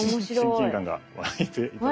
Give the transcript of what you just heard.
親近感が湧いて頂いたと。